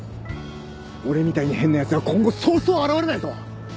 俺みたいに変なやつは今後そうそう現れないぞ！